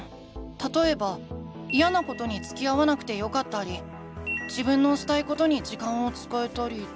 たとえばイヤなことにつきあわなくてよかったり自分のしたいことに時間を使えたり。